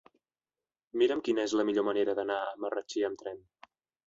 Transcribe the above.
Mira'm quina és la millor manera d'anar a Marratxí amb tren.